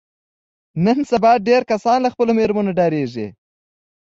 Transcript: نن سبا ډېری کسان له خپلو مېرمنو څخه ډارېږي.